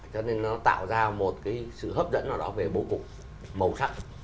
cho nên nó tạo ra một cái sự hấp dẫn nào đó về bố cục màu sắc